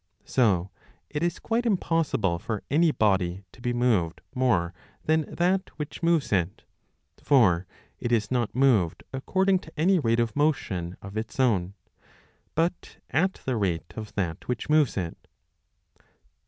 So it is quite impossible for any body to be moved more than that which moves it ; for it is not moved according to any rate of motion of its 8 5 6 a own but at the rate of that which moves it.